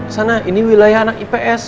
sana ini wilayah anak ips